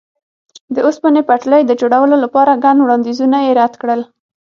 د اوسپنې پټلۍ د جوړولو لپاره ګڼ وړاندیزونه یې رد کړل.